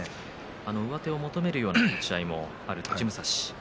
上手を求めるような立ち合いもある栃武蔵。